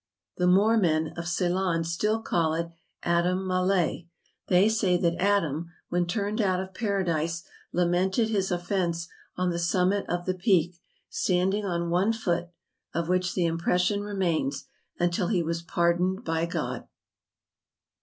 The moor men of Ceylon still call it Adam Malay; they say that Adam, when turned out of Paradise, lamented his offence on the summit of the Peak standing on one foot (of which the impression remains) until he was pardoned by Grod.